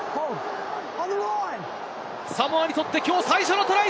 サモアにとって、きょう最初のトライ！